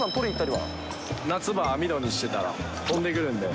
夏場は網戸にしてたら飛んでくるんで。